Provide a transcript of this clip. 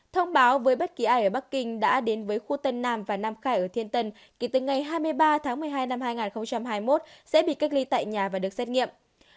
thông báo với bất kỳ ai ở bắc kinh đã đến với khu tân nam và nam khai ở thiên tân kể từ ngày hai mươi ba tháng một mươi hai năm hai nghìn hai mươi một sẽ bị cách ly tại nhà và được xét nghiệm